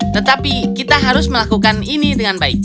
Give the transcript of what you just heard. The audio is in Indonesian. tetapi kita harus melakukan ini dengan baik